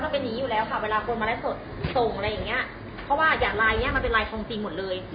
เพราะว่าอย่าไลน์เนี่ยมันเป็นไลน์ทองจริงหมดเลย